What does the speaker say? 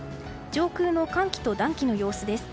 上空の寒気と暖気の様子です。